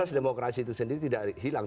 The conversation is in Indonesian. demokrasi itu sendiri tidak hilang